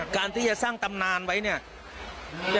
การที่จะสร้างตำนานไว้เนี่ย